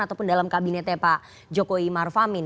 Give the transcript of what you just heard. ataupun dalam kabinetnya pak jokowi marfamin